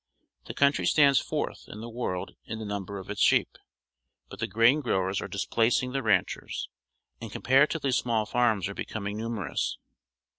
The country stands fourth in the world in the number of its sheep. But the grain gi owers are displacing the ranchers, and comparative ly small farms are becoming numerous.